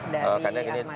dari armada rekubensial